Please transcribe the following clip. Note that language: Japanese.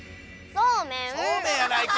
そうめんやないか！